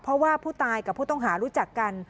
เพราะว่าผู้ตายกับผู้ต้องหารู้จักกัน